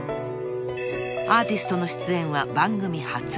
［アーティストの出演は番組初］